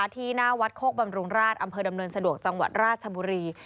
ที่หน้าวัดโคกบำรุงราชอำเภอดำเนินสะดวกจังหวัดราชบุรี